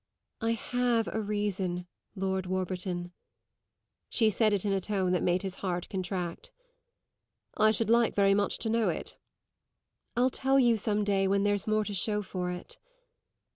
"I have a reason, Lord Warburton." She said it in a tone that made his heart contract. "I should like very much to know it." "I'll tell you some day when there's more to show for it."